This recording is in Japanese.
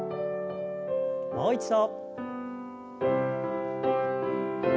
もう一度。